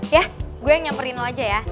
ya gue yang nyamperin lo aja ya